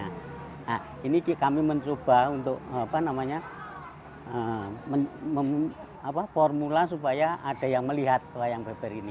nah ini kami mencoba untuk formula supaya ada yang melihat wayang beber ini